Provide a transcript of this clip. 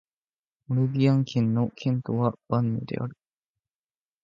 モルビアン県の県都はヴァンヌである